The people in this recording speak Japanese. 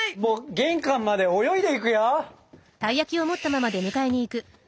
玄関まで泳いでいくよ。